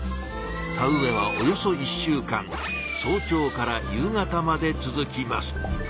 田植えはおよそ１週間早朝から夕方まで続きます。